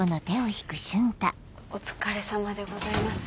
お疲れさまでございます。